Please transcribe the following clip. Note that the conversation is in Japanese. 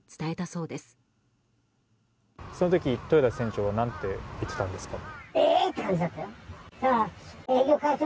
その時、豊田船長は何と言っていたんですか？